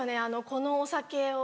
このお酒を。